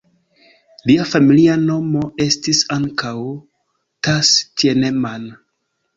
Lia familia nomo estis ankaŭ "Thass-Thienemann".